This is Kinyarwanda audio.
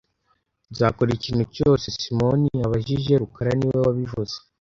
Nzakora ikintu cyose Simoni abajije rukara niwe wabivuze